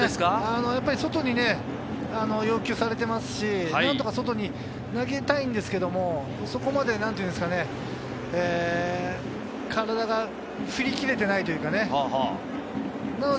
やっぱり外に要求されていますし、何とか外に投げたいんですけども、そこまで体が振り切れていないというかね。